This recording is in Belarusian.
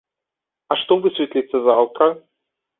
А што высветліцца заўтра?